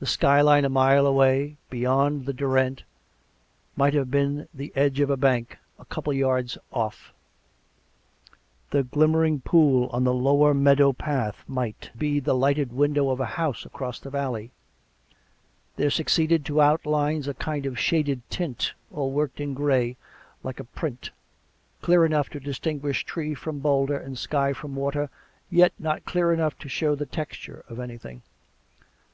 The skyline a mile away, beyond the Derwent, might have been the edge of a bank a couple of yards off; the glimmqring pool on the lower meadow path might be the lighted window of a house 52 COME RACK! COME ROPE! across the valley. There succeeded to outlines a kind of shaded tint^ all worked in gray like a print, clear enough to distinguish tree from boulder and sky from water, yet not clear enough to show the texture of anything.